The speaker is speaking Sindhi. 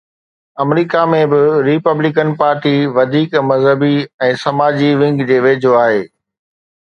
آمريڪا ۾ به ريپبلڪن پارٽي وڌيڪ مذهبي ۽ ساڄي ونگ جي ويجهو آهي.